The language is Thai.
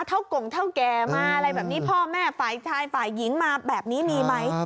กงเท่าแก่มาอะไรแบบนี้พ่อแม่ฝ่ายชายฝ่ายหญิงมาแบบนี้มีไหม